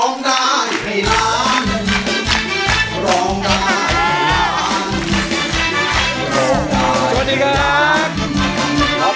ขึ้นมาเลยครับ